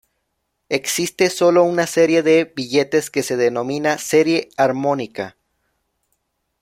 Existe solo una serie de billetes, que se denomina "Serie Armónica".